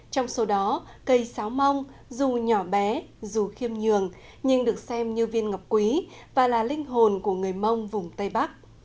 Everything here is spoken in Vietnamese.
trong số đó cây sáo mông dù nhỏ bé dù khiêm nhường nhưng được xem như viên ngọc quý và là linh hồn của người mông vùng tây bắc